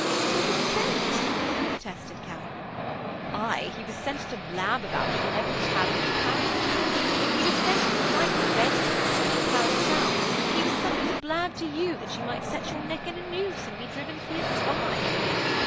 'He was sent!' protested Katharine. 'Aye, he was sent to blab about it in every tavern in Paris town. He was sent to frighten the Red Cap out of Paris town. He was suffered to blab to you that you might set your neck in a noose and be driven to be a spy.'